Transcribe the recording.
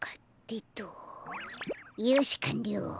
よしかんりょう。